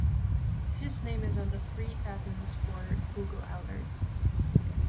His name is on the three patents for Google Alerts.